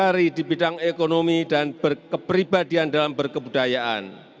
yang berdikari di bidang ekonomi dan berkepribadian dalam berkebudayaan